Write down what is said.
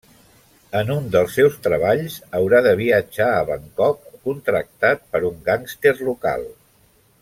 En un dels seus treballs haurà de viatjar a Bangkok contractat per un gàngster local.